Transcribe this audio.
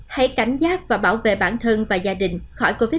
hãy cảnh giác và bảo vệ bản thân và gia đình khỏi covid một mươi